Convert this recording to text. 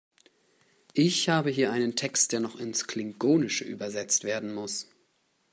Ich habe hier einen Text, der nur noch ins Klingonische übersetzt werden muss.